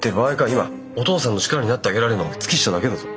今お父さんの力になってあげられるのは月下だけだぞ。